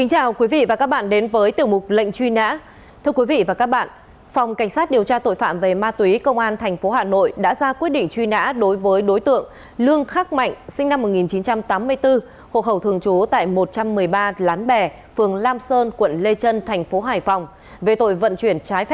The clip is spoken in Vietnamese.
hãy đăng ký kênh để ủng hộ kênh của chúng mình nhé